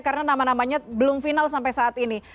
karena nama namanya belum final sampai saat ini